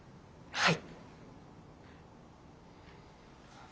はい。